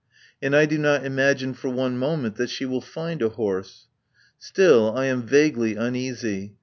And I do not imagine for one moment that she will find a horse. Still, I am vaguely uneasy.